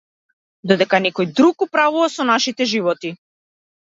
Додека некој друг управува со нашите животи.